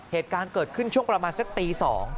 เหตุการณ์เกิดขึ้นช่วงประมาณสักตี๒